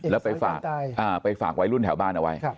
แล้วไปฝากวัยรุ่นแถวบ้านเอาไว้